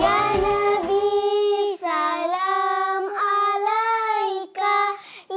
ya nabi salam alaikum